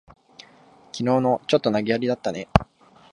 きのうの、ちょっと投げやりだったね。